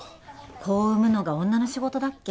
子を産むのが女の仕事だっけ？